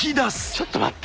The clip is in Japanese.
ちょっと待って。